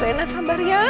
rena sabar ya